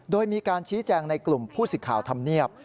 โดยมีการชี้แจงในกลุ่มผู้สิทธิ์ข่าวธรรมเนียบ